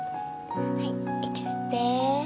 はい息吸って。